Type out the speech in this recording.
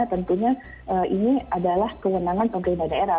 tentunya ini adalah kewenangan pemerintah daerah